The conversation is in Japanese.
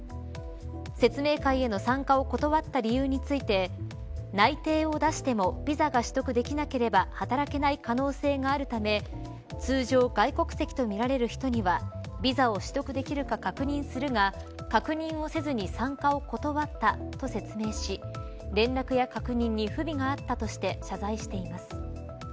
説明会への参加を断った理由について内定を出してもビザが取得できなければ働けない可能性があるため通常、外国籍とみられる人にはビザを取得できるか確認するが確認をせずに参加を断ったと説明し連絡や確認に不備があったとして謝罪しています。